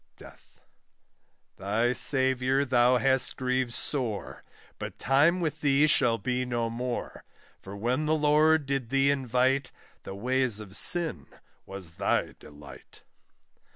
DEATH. Thy Saviour thou hast grieved sore, But time with thee shall be no more; For when the Lord did thee invite, The ways of sin was thy delight.